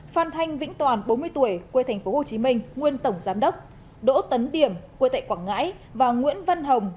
phan thanh vĩnh toàn bốn mươi tuổi quê thành phố hồ chí minh nguyên tổng giám đốc đỗ tấn điểm quê tại quảng ngãi và nguyễn văn hồng